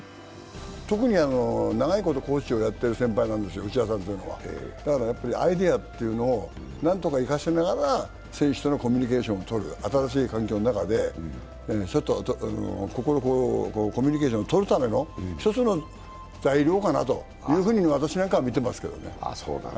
特に長いことコーチをやっている先輩なんですよ、内田さんというのは、アイデアというのを何とか生かしながら選手とのコミュニケーションをとる、新しい環境の中でちょっとコミュニケーションをとるための一つの材料かなと私なんかは見てますけれどもね。